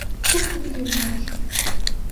Кушто вийым муаш?